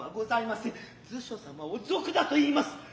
図書様を賊だと言ひます。